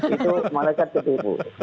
itu malaikat ketipu